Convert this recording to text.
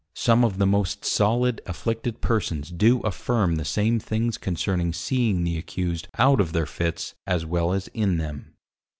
Some of the most solid Afflicted Persons do affirme the same things concerning seeing the accused out of their Fitts as well as in them.